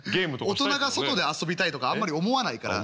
大人が外で遊びたいとかあんまり思わないから。